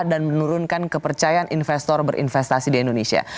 dan menurunkan kepercayaan investor berinvestasi di indonesia